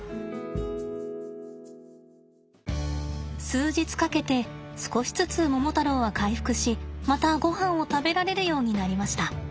数日かけて少しずつモモタロウは回復しまたごはんを食べられるようになりました。